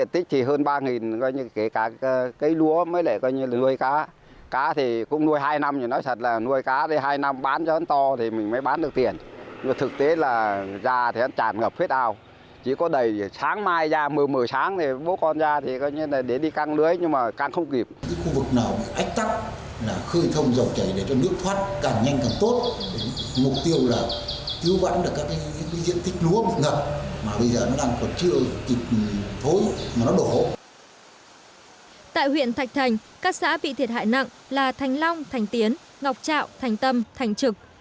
tại huyện thạch thành các xã bị thiệt hại nặng là thành long thành tiến ngọc trạo thành tâm thành trực